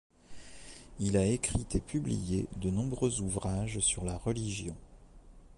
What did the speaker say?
Il a écrit et publié de nombreux ouvrages sur la religion.